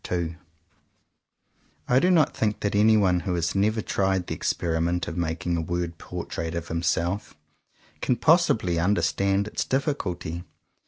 u II I DO NOT think that anyone who has never tried the experiment of making a word portrait of himself can possibly under stand its difficulty.